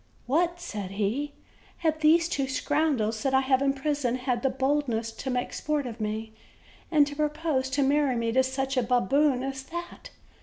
"What," said he, "have these two scoundrels that I have in prison had the boldness to make sport of me, and to propose to marry me to such a baboon as that!